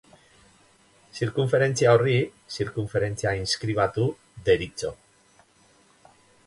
Zirkunferentzia horri zirkunferentzia inskribatu deritzo.